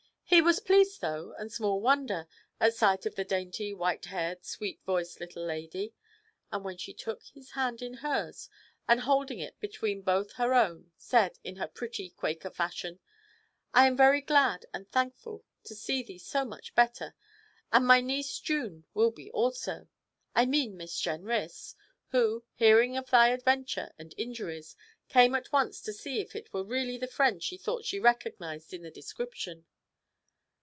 He was pleased though, and small wonder, at sight of the dainty, white haired, sweet voiced little lady; and when she took his hand in hers and, holding it between both her own, said, in her pretty Quaker fashion: "I am very glad and thankful to see thee so much better, and my niece June will be also I mean Miss Jenrys, who, hearing of thy adventure and injuries, came at once to see if it were really the friend she thought she recognised in the description.